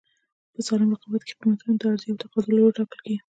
په سالم رقابت کې قیمتونه د عرضې او تقاضا له لورې ټاکل کېږي.